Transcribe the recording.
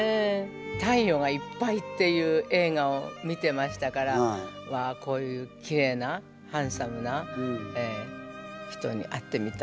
「太陽がいっぱい」っていう映画を見てましたからこういうきれいなハンサムな人に会ってみたいと思います。